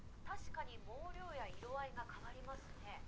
確かに毛量や色合いが変わりますね。